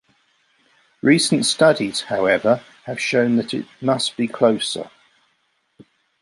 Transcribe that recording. Recent studies, however, have shown that it must be closer.